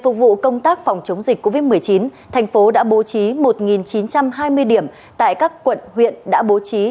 trong phòng chống dịch covid một mươi chín thành phố đã bố trí một chín trăm hai mươi điểm tại các quận huyện đã bố trí